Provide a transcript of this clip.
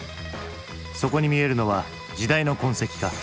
そこに見えるのは時代の痕跡か。